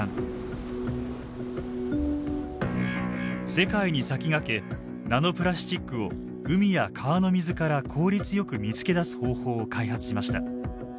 世界に先駆けナノプラスチックを海や川の水から効率よく見つけ出す方法を開発しました。